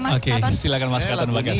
silahkan mas kato